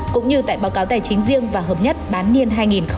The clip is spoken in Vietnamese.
cũng như tại báo cáo tài chính riêng và hợp nhất bán niên hai nghìn hai mươi